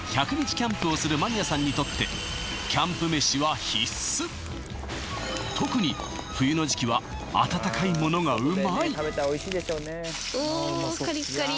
キャンプをするマニアさんにとって特に冬の時期は温かいものがうまいうー